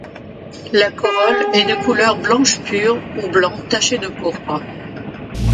La corolle est de couleur blanche pure ou blanc taché de pourpre.